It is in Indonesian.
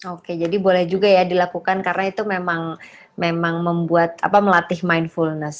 oke jadi boleh juga ya dilakukan karena itu memang membuat apa melatih mindfulness